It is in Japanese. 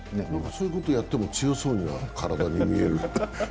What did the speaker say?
そういうことやっても強そうな体に見える。